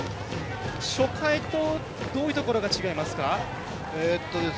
初回と、どういうところが違いますか？